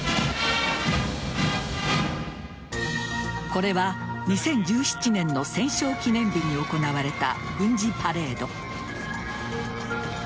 これは２０１７年の戦勝記念日に行われた軍事パレード。